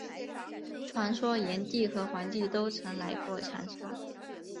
传说炎帝和黄帝都曾来过长沙。